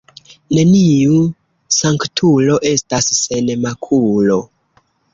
Neniu sanktulo estas sen makulo.